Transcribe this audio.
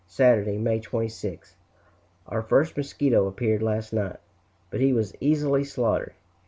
Saturday, May 26th. Our first mosquito appeared last night, but he was easily slaughtered.